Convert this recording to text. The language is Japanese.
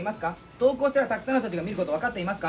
投稿したらたくさんの人が見ること分かっていますか？